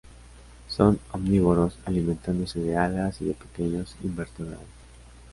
Son omnívoros, alimentándose de algas y de pequeños invertebrados.